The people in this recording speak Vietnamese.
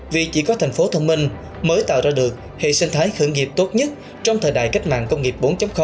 vì chỉ có thành phố thông minh mới tạo ra được hệ sinh thái khởi nghiệp tốt nhất trong thời đại cách mạng công nghiệp bốn